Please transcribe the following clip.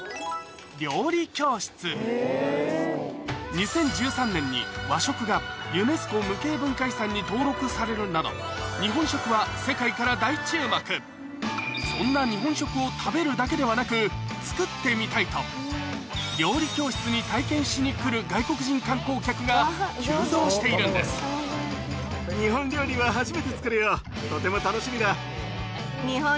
２０１３年にに登録されるなど日本食はそんな日本食を食べるだけではなく作ってみたいと料理教室に体験しに来る外国人観光客が急増しているんです作るよ。